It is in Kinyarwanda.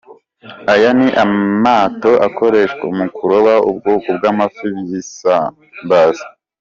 Aya ni amato akoreshwa mu kuroba ubwoko bw’amafi bw’isambaza.